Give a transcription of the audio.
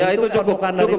ya itu cukup